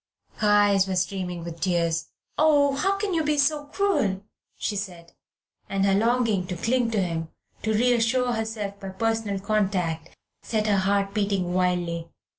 Her eyes were streaming with tears. "Oh, how can you be so cruel?" she said, and her longing to cling to him, to reassure herself by personal contact, set her heart beating wildly.